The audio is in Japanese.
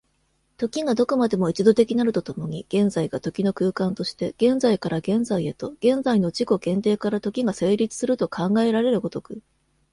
時がどこまでも一度的なると共に、現在が時の空間として、現在から現在へと、現在の自己限定から時が成立すると考えられる如く、